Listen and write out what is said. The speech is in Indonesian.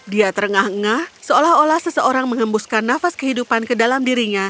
dia terengah engah seolah olah seseorang mengembuskan nafas kehidupan ke dalam dirinya